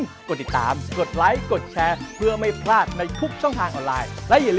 ไม่อยากรู้เรื่องครั้งนั้นแต่อยากกิน